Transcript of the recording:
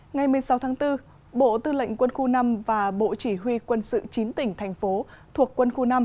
ngày một mươi sáu tháng bốn bộ tư lệnh quân khu năm và bộ chỉ huy quân sự chín tỉnh thành phố thuộc quân khu năm